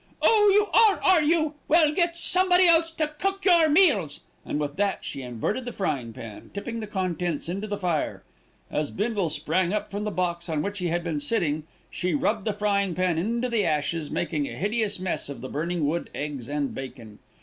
"Oh! you are, are you? Well, get somebody else to cook your meals," and with that she inverted the frying pan, tipping the contents into the fire. As Bindle sprang up from the box on which he had been sitting, she rubbed the frying pan into the ashes, making a hideous mess of the burning wood, eggs and bacon.